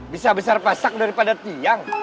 bisa besar pasak daripada tiang